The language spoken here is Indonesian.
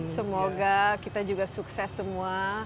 semoga kita juga sukses semua